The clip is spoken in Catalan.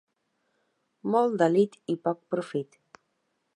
Molt delit i poc profit.